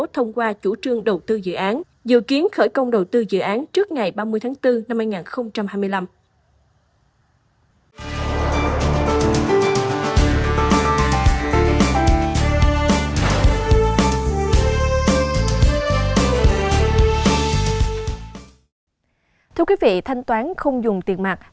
thông qua chủ trương đầu tư dự án dự kiến khởi công đầu tư dự án trước ngày ba mươi tháng bốn năm hai nghìn hai mươi năm